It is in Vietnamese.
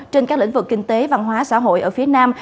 trên các lĩnh vực kinh tế văn hóa xã hội ở phía nam